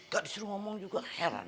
gak disuruh ngomong juga heran